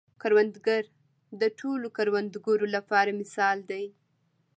کروندګر د ټولو کروندګرو لپاره مثال دی